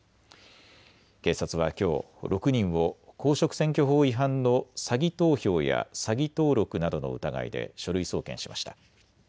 警察はきょう６人を公職選挙法違反の詐偽投票や詐偽登録などの疑いで書類送検しました。